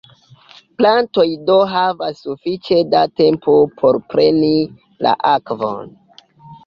Plantoj do havas sufiĉe da tempo por preni la akvon.